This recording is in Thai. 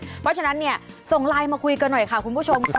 เพราะฉะนั้นเนี่ยส่งไลน์มาคุยกันหน่อยค่ะคุณผู้ชมค่ะ